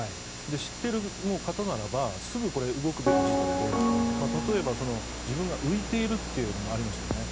知っている方ならばすぐに動くべき事態で例えば自分が浮いているというのがありましたよね。